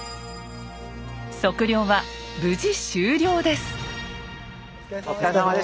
測量は無事終了です！